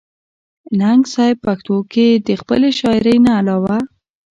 ننګ صېب پښتو کښې َد خپلې شاعرۍ نه علاوه